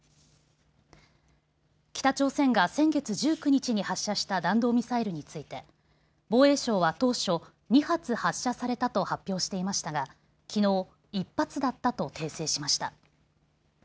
北朝鮮が先月１９日に発射した弾道ミサイルについて防衛省は当初、２発発射されたと発表していましたがきのう１発だったと訂正しました。